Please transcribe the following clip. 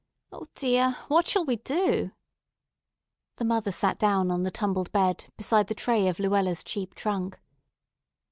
O, dear! What shall we do?" The mother sat down on the tumbled bed beside the tray of Luella's cheap trunk.